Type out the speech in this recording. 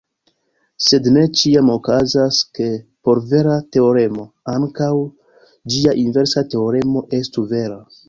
Sed ne ĉiam okazas, ke por vera teoremo ankaŭ ĝia inversa teoremo estu vera.